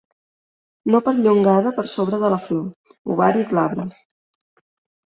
No perllongada per sobre de la flor. Ovari glabre.